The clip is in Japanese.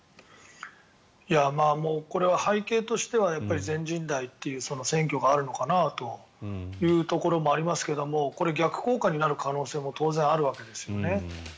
これは背景としては全人代という選挙があるのかなというところもありますがこれ、逆効果になる可能性も当然あるわけですよね。